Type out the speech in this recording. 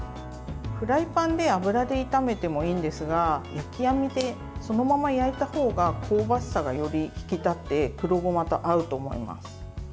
フライパンで油で炒めてもいいんですが焼き網で、そのまま焼いた方が香ばしさがより引き立って黒ごまと合うと思います。